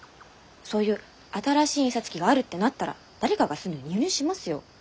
そういう新しい印刷機があるってなったら誰かがすぐに輸入しますよ。